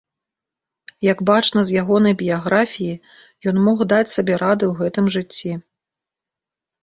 Як бачна з ягонай біяграфіі, ён мог даць сабе рады ў гэтым жыцці.